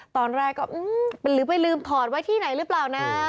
ตอนแรกก็หรือไปลืมถอดไว้ที่ไหนหรือเปล่านะ